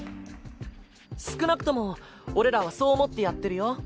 少なくとも俺らはそう思ってやってるよ。